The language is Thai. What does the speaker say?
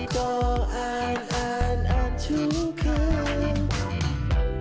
ก็อ่านอ่านอ่านทุกครั้ง